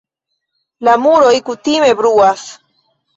La muroj kutime bruas.